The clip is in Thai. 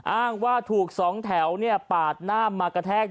อ้างว่าถูก๒แถวเนี่ยปาดหน้ามากระแทก